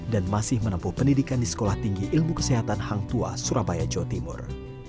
masih menempuh pendidikan di sekolah tinggi ilmu kesehatan hang tua surabaya jawa timur